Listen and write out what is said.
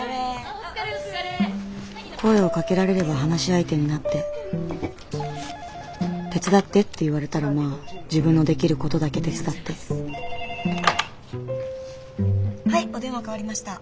声をかけられれば話し相手になって手伝ってって言われたらまあ自分のできることだけ手伝ってはいお電話代わりました。